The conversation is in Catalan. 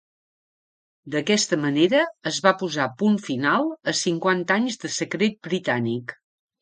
D'aquesta manera es va posar punt final a cinquanta anys de secret britànic.